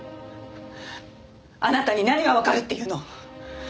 あなたに何がわかるっていうの？